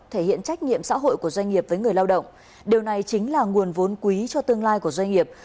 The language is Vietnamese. thể hiện trách nhiệm xã hội của doanh nghiệp với người lao động điều này chính là nguồn vốn quý cho tương lai của doanh nghiệp